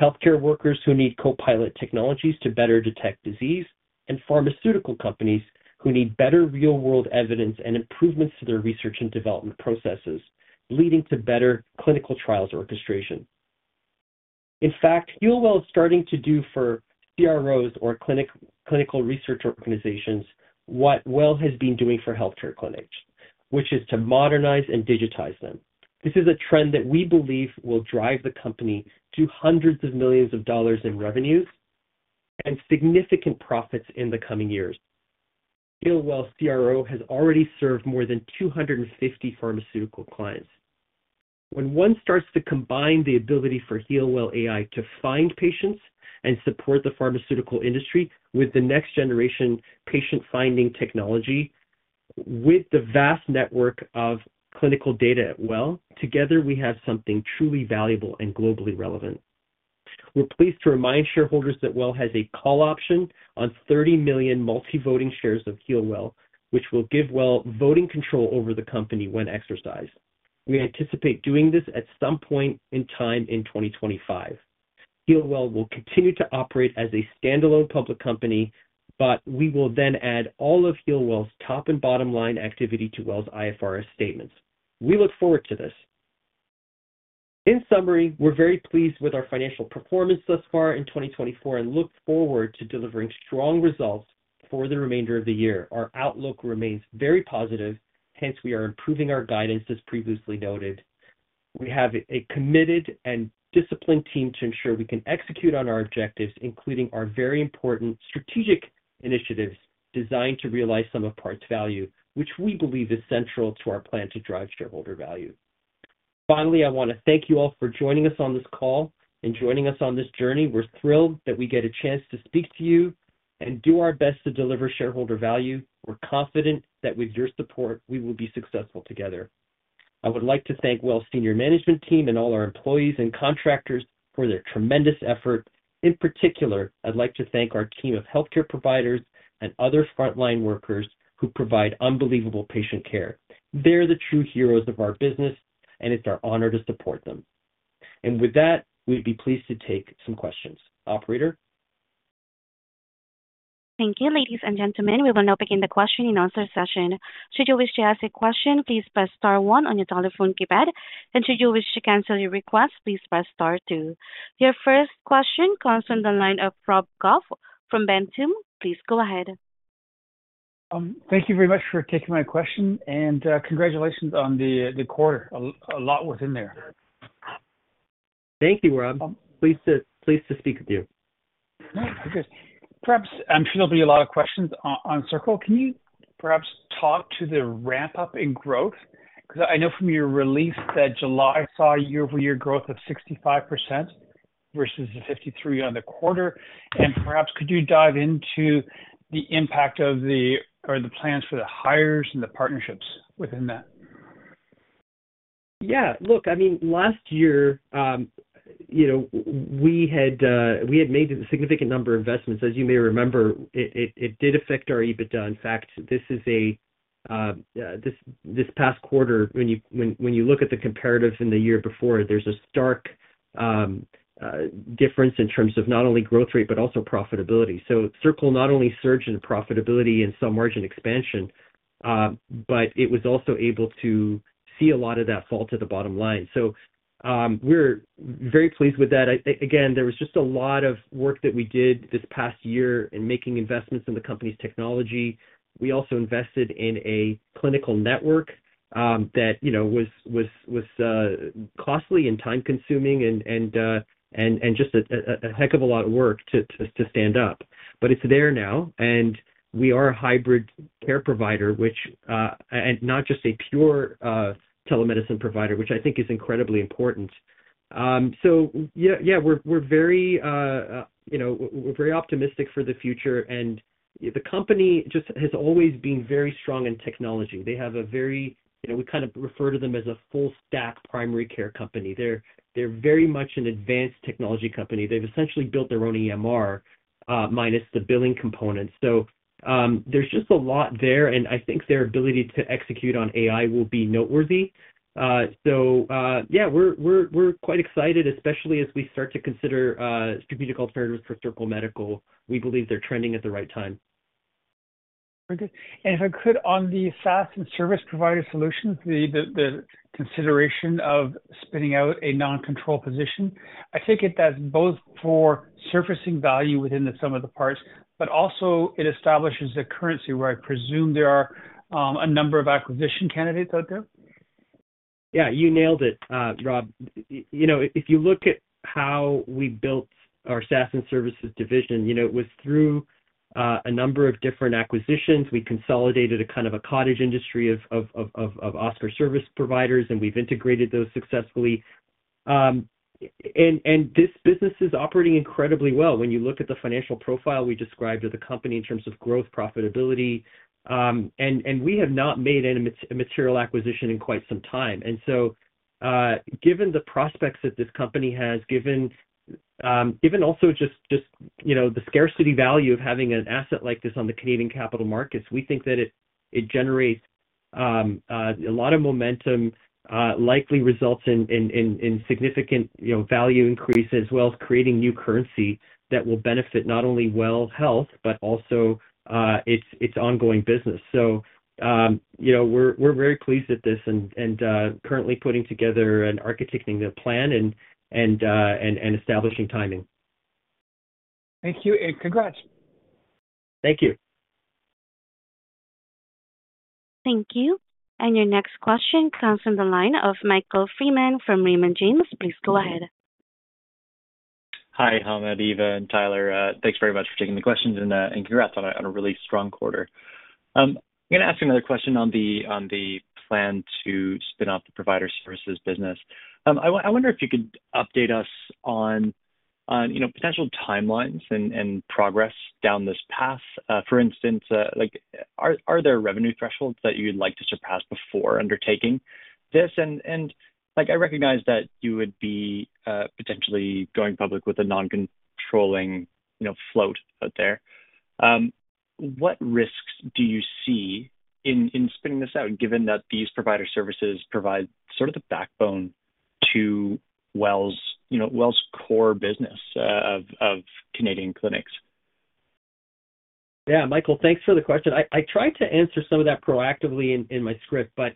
healthcare workers who need co-pilot technologies to better detect disease and pharmaceutical companies who need better real-world evidence and improvements to their research and development processes, leading to better clinical trials orchestration. In fact, HEALWELL is starting to do for CROs or clinical research organizations, what WELL has been doing for healthcare clinics, which is to modernize and digitize them. This is a trend that we believe will drive the company to hundreds of millions of dollars in revenues and significant profits in the coming years. HEALWELL CRO has already served more than 250 pharmaceutical clients. When one starts to combine the ability for HEALWELL AI to find patients and support the pharmaceutical industry with the next generation patient-finding technology, with the vast network of clinical data at Well, together, we have something truly valuable and globally relevant. We're pleased to remind shareholders that Well has a call option on 30 million multi-voting shares of HEALWELL, which will give Well voting control over the company when exercised. We anticipate doing this at some point in time in 2025. HEALWELL will continue to operate as a standalone public company, but we will then add all of HEALWELL's top and bottom line activity to WELL's IFRS statements. We look forward to this. In summary, we're very pleased with our financial performance thus far in 2024 and look forward to delivering strong results for the remainder of the year. Our outlook remains very positive, hence, we are improving our guidance, as previously noted. We have a committed and disciplined team to ensure we can execute on our objectives, including our very important strategic initiatives designed to realize sum-of-parts value, which we believe is central to our plan to drive shareholder value. Finally, I want to thank you all for joining us on this call and joining us on this journey. We're thrilled that we get a chance to speak to you and do our best to deliver shareholder value. We're confident that with your support, we will be successful together. I would like to thank WELL's senior management team and all our employees and contractors for their tremendous effort. In particular, I'd like to thank our team of healthcare providers and other frontline workers who provide unbelievable patient care. They're the true heroes of our business, and it's our honor to support them. With that, we'd be pleased to take some questions. Operator? Thank you, ladies and gentlemen. We will now begin the question-and-answer session. Should you wish to ask a question, please press star one on your telephone keypad, and should you wish to cancel your request, please press star two. Your first question comes from the line of Rob Goff from Ventum. Please go ahead. Thank you very much for taking my question, and congratulations on the quarter. A lot within there. Thank you, Rob. Pleased to speak with you. Great. Perhaps I'm sure there'll be a lot of questions on Circle. Can you perhaps talk to the ramp-up in growth? Because I know from your release that July saw a year-over-year growth of 65% versus the 53% on the quarter. And perhaps could you dive into the impact of the, or the plans for the hires and the partnerships within that? Yeah. Look, I mean, last year, you know, we had made a significant number of investments. As you may remember, it did affect our EBITDA. In fact, this past quarter, when you look at the comparatives in the year before, there's a stark difference in terms of not only growth rate, but also profitability. So Circle not only surged in profitability and saw margin expansion, but it was also able to see a lot of that fall to the bottom line. So, we're very pleased with that. Again, there was just a lot of work that we did this past year in making investments in the company's technology. We also invested in a clinical network, that, you know, was costly and time consuming and just a heck of a lot of work to stand up. But it's there now, and we are a hybrid care provider, which, and not just a pure telemedicine provider, which I think is incredibly important. So yeah, we're very, you know, we're very optimistic for the future, and the company just has always been very strong in technology. They have a very—You know, we kind of refer to them as a full-stack primary care company. They're very much an advanced technology company. They've essentially built their own EMR, minus the billing component. So, there's just a lot there, and I think their ability to execute on AI will be noteworthy. So, yeah, we're quite excited, especially as we start to consider strategic alternatives for Circle Medical. We believe they're trending at the right time. Very good. If I could, on the SaaS and Services Provider Solutions, the consideration of spinning out a non-control position, I take it that's both for surfacing value within the sum of the parts, but also it establishes a currency where I presume there are a number of acquisition candidates out there. Yeah, you nailed it, Rob. You know, if you look at how we built our SaaS and Services division, you know, it was through a number of different acquisitions. We consolidated a kind of a cottage industry of OSCAR Service Provider, and we've integrated those successfully. And this business is operating incredibly well. When you look at the financial profile we described of the company in terms of growth, profitability, and we have not made any material acquisition in quite some time. And so, given the prospects that this company has, given also just, you know, the scarcity value of having an asset like this on the Canadian capital markets, we think that it generates... A lot of momentum likely results in significant, you know, value increase, as well as creating new currency that will benefit not only WELL Health, but also its ongoing business. So, you know, we're very pleased with this and currently putting together and architecting the plan and establishing timing. Thank you, and congrats. Thank you. Thank you. Your next question comes from the line of Michael Freeman from Raymond James. Please go ahead. Hi, Hamed, Eva, and Tyler. Thanks very much for taking the questions and congrats on a really strong quarter. I'm gonna ask another question on the plan to spin off the provider services business. I wonder if you could update us on, you know, potential timelines and progress down this path. For instance, like, are there revenue thresholds that you'd like to surpass before undertaking this? Like, I recognize that you would be potentially going public with a non-controlling, you know, float out there. What risks do you see in spinning this out, given that these provider services provide sort of the backbone to WELL's, you know, WELL's core business of Canadian clinics? Yeah, Michael, thanks for the question. I tried to answer some of that proactively in my script, but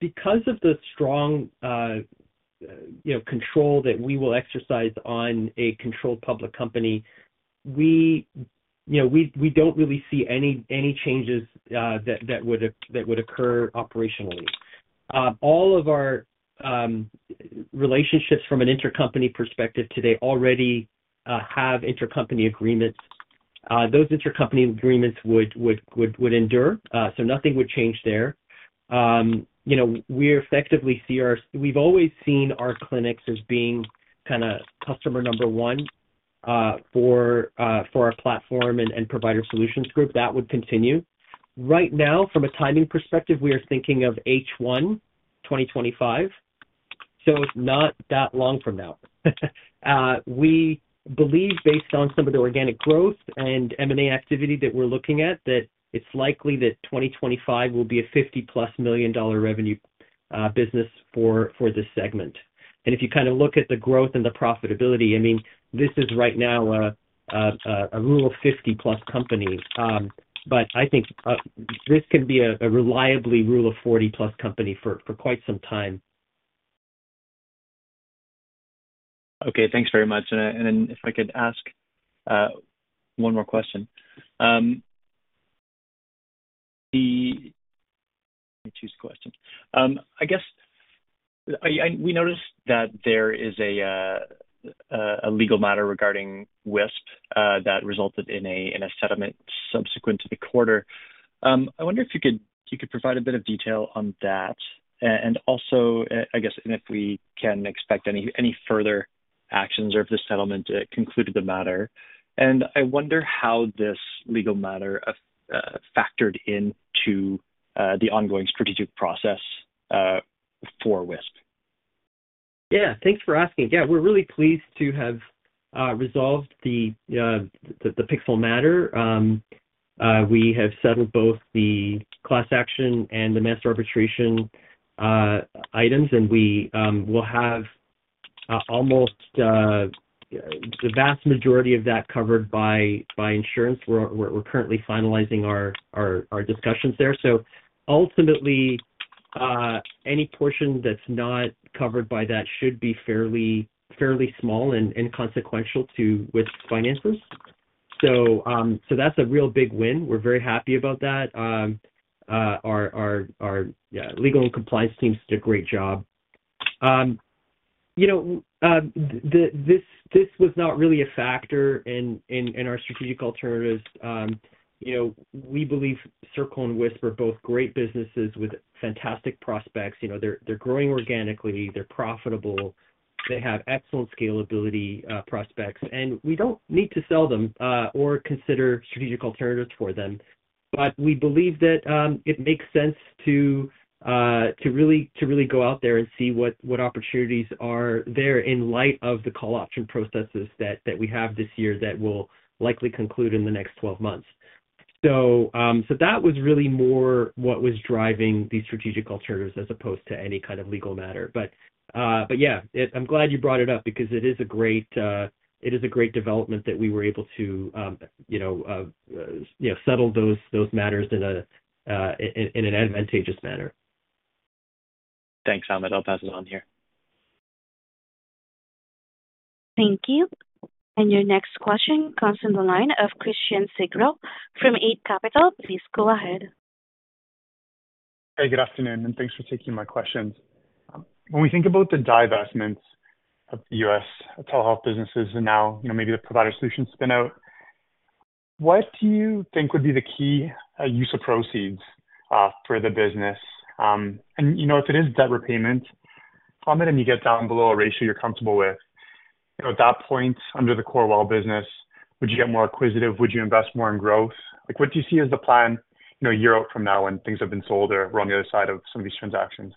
because of the strong, you know, control that we will exercise on a controlled public company, we, you know, we don't really see any changes that would occur operationally. All of our relationships from an intercompany perspective today already have intercompany agreements. Those intercompany agreements would endure, so nothing would change there. You know, we effectively see our—We've always seen our clinics as being kind of customer number one for our platform and Provider Solutions Group. That would continue. Right now, from a timing perspective, we are thinking of H1 2025, so it's not that long from now. We believe based on some of the organic growth and M&A activity that we're looking at, that it's likely that 2025 will be a 50+ million dollar revenue business for this segment. And if you kind of look at the growth and the profitability, I mean, this is right now a Rule of 50+ company. But I think this could be a reliably Rule of 40+ company for quite some time. Okay, thanks very much. And if I could ask one more question. Let me choose the question. I guess and we noticed that there is a legal matter regarding Wisp that resulted in a settlement subsequent to the quarter. I wonder if you could provide a bit of detail on that. And also, I guess and if we can expect any further actions, or if this settlement concluded the matter. And I wonder how this legal matter factored into the ongoing strategic process for Wisp. Yeah, thanks for asking. Yeah, we're really pleased to have resolved the pixel matter. We have settled both the class action and the mass arbitration items, and we will have almost the vast majority of that covered by insurance. We're currently finalizing our discussions there. So ultimately, any portion that's not covered by that should be fairly small and inconsequential to Wisp's finances. So that's a real big win. We're very happy about that. Our legal and compliance teams did a great job. You know, this was not really a factor in our strategic alternatives. You know, we believe Circle and Wisp are both great businesses with fantastic prospects. You know, they're, they're growing organically, they're profitable, they have excellent scalability, prospects, and we don't need to sell them, or consider strategic alternatives for them. But we believe that, it makes sense to, to really, to really go out there and see what, what opportunities are there in light of the call option processes that, that we have this year, that will likely conclude in the next 12 months. So, so that was really more what was driving the strategic alternatives as opposed to any kind of legal matter. But, but yeah, I'm glad you brought it up because it is a great, it is a great development that we were able to, you know, settle those, those matters in an advantageous manner. Thanks, Hamed. I'll pass it on here. Thank you. Your next question comes from the line of Christian Sgro from Eight Capital. Please go ahead. Hey, good afternoon, and thanks for taking my questions. When we think about the divestments of the U.S. telehealth businesses and now, you know, maybe the Provider Solution spin out, what do you think would be the key use of proceeds for the business? And, you know, if it is debt repayment, how low do you get down below a ratio you're comfortable with? You know, at that point, under the core WELL business, would you get more acquisitive? Would you invest more in growth? Like, what do you see as the plan, you know, a year out from now when things have been sold or we're on the other side of some of these transactions?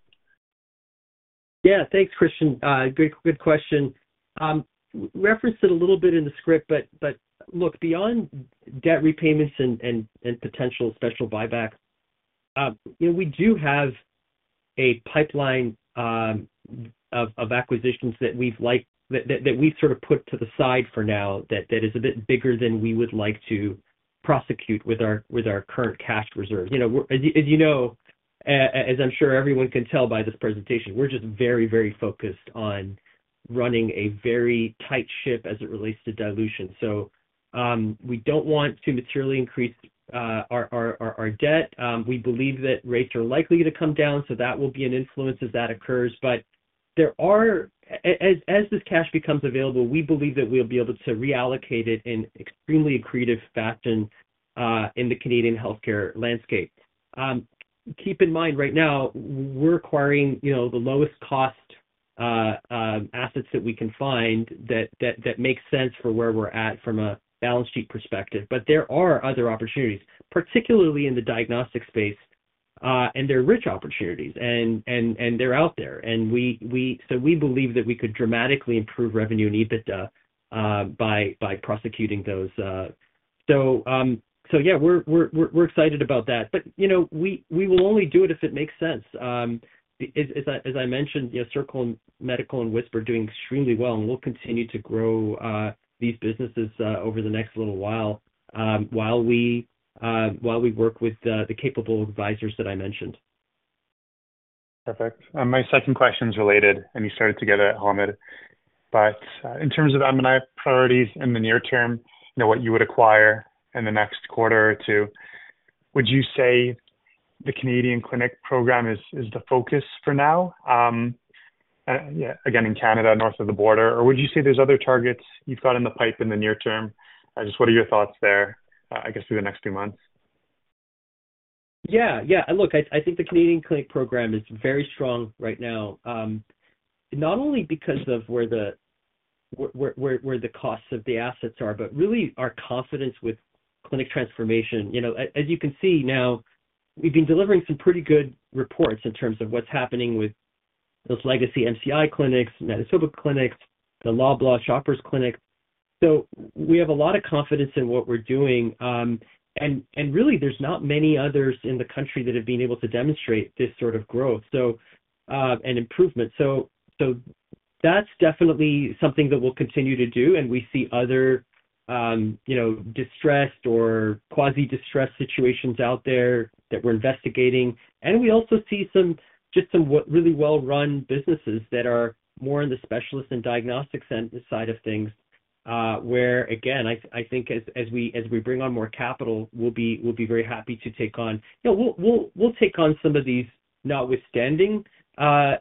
Yeah, thanks, Christian. Good, good question. Referenced it a little bit in the script, but look, beyond debt repayments and potential special buyback, you know, we do have a pipeline of acquisitions that we've liked, that we've sort of put to the side for now, that is a bit bigger than we would like to prosecute with our current cash reserves. You know, as you know, as I'm sure everyone can tell by this presentation, we're just very, very focused on running a very tight ship as it relates to dilution. So, we don't want to materially increase our debt. We believe that rates are likely to come down, so that will be an influence as that occurs. But there are— As this cash becomes available, we believe that we'll be able to reallocate it in extremely accretive fashion in the Canadian healthcare landscape. Keep in mind, right now, we're acquiring, you know, the lowest cost assets that we can find, that makes sense for where we're at from a balance sheet perspective. But there are other opportunities, particularly in the diagnostic space, and they're rich opportunities and they're out there. So we believe that we could dramatically improve revenue and EBITDA by prosecuting those. So yeah, we're excited about that. But, you know, we will only do it if it makes sense. As I mentioned, you know, Circle Medical and Wisp are doing extremely well, and we'll continue to grow these businesses over the next little while, while we work with the capable advisors that I mentioned. Perfect. My second question is related, and you started to get it, Hamed. But, in terms of M&A priorities in the near term, you know, what you would acquire in the next quarter or two, would you say the Canadian clinic program is the focus for now? Yeah, again, in Canada, north of the border, or would you say there's other targets you've got in the pipe in the near term? Just what are your thoughts there, I guess, through the next few months? Yeah, yeah. Look, I think the Canadian clinic program is very strong right now, not only because of where the costs of the assets are, but really our confidence with clinic transformation. You know, as you can see now, we've been delivering some pretty good reports in terms of what's happening with those legacy MCI clinics, Manitoba Clinic, the Loblaw Shoppers clinics. So we have a lot of confidence in what we're doing. And really, there's not many others in the country that have been able to demonstrate this sort of growth, and improvement. So that's definitely something that we'll continue to do, and we see other, you know, distressed or quasi-distressed situations out there that we're investigating. We also see some, just some really well-run businesses that are more in the specialist and diagnostic center side of things, where, again, I think as we bring on more capital, we'll be very happy to take on. You know, we'll take on some of these, notwithstanding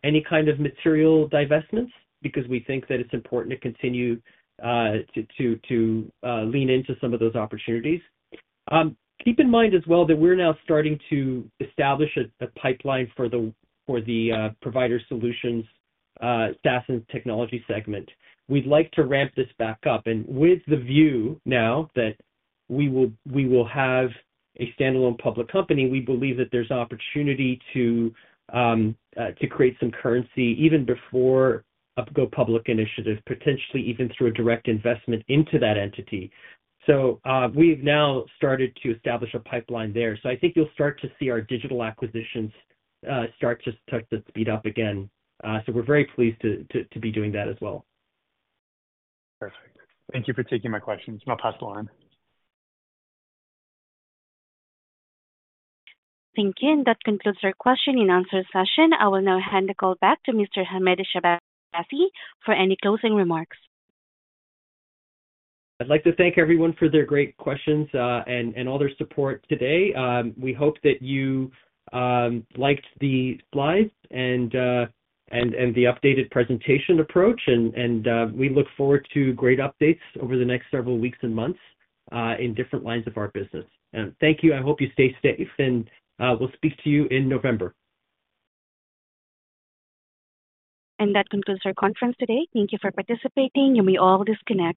any kind of material divestments, because we think that it's important to continue to lean into some of those opportunities. Keep in mind as well, that we're now starting to establish a pipeline for the Provider Solutions SaaS & Technology segment. We'd like to ramp this back up, and with the view now that we will, we will have a standalone public company, we believe that there's opportunity to create some currency even before a go-public initiative, potentially even through a direct investment into that entity. So, we've now started to establish a pipeline there. So I think you'll start to see our digital acquisitions start to just speed up again. So we're very pleased to be doing that as well. Perfect. Thank you for taking my questions. I'll pass the line. Thank you. That concludes our question-and-answer session. I will now hand the call back to Mr. Hamed Shahbazi for any closing remarks. I'd like to thank everyone for their great questions and all their support today. We hope that you liked the slides and the updated presentation approach. We look forward to great updates over the next several weeks and months in different lines of our business. Thank you. I hope you stay safe, and we'll speak to you in November. That concludes our conference today. Thank you for participating, and we all disconnect.